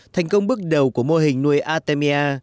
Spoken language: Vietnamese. thành công bước đầu của mô hình nuôi artemia